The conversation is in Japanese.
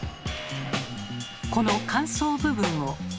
この間奏部分を。